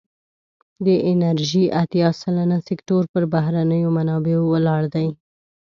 د انرژی اتیا سلنه سکتور پر بهرنیو منابعو ولاړ دی.